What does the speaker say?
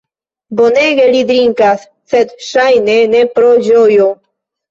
Bonege li drinkas, sed ŝajne ne pro ĝojo!